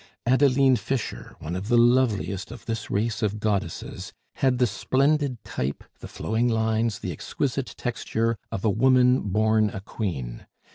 Adeline Fischer, one of the loveliest of this race of goddesses, had the splendid type, the flowing lines, the exquisite texture of a woman born a queen.